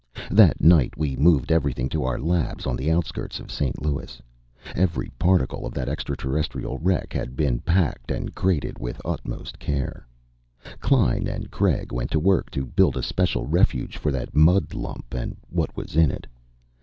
That night we moved everything to our labs on the outskirts of St. Louis. Every particle of that extraterrestrial wreck had been packed and crated with utmost care. Klein and Craig went to work to build a special refuge for that mud lump and what was in it.